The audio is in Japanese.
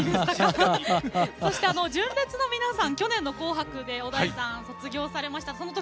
そして、純烈の皆さん去年の「紅白」で小田井さん卒業されました。